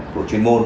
của chuyên môn